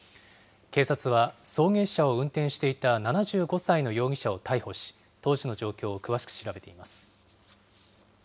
警察は、送迎車を運転していた７５歳の容疑者を逮捕し、当時の状況を詳しく調べています。